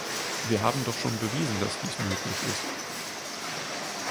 Wir haben doch schon bewiesen, dass dies möglich ist.